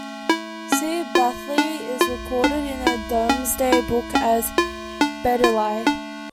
C Bathley is recorded in the Domesday Book as Badeleie.